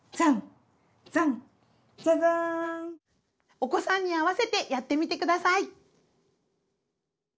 お子さんに合わせてやってみてください。